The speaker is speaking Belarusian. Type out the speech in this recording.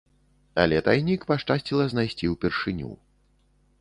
Але тайнік пашчасціла знайсці ўпершыню.